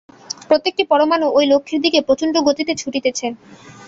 প্রত্যেকটি পরমাণু ঐ লক্ষ্যের দিকে প্রচণ্ডগতিতে ছুটিতেছে।